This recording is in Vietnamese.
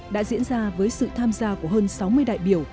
đã diễn ra với sự tham gia của hơn sáu mươi đại biểu